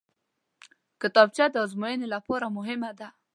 کتابچه د ازموینې لپاره مهمه ده